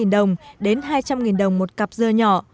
một trăm năm mươi đồng đến hai trăm linh đồng một cặp dưa nhỏ